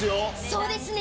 そうですね。